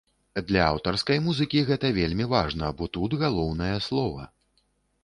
Для аўтарскай музыкі гэта вельмі важна, бо тут галоўнае слова.